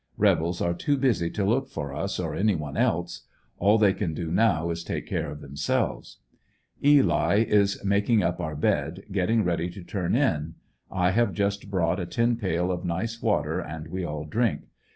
Rebels are too busy to look for us or any one else. All they can do now to take care of themselves. Eli is niaking up our bed, getting ready to turn in. I have just brought a tin pail of nice water and we all drink.